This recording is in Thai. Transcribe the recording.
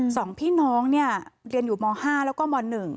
สองพี่น้องเนี่ยเรียนอยู่ม๕แล้วก็ม๑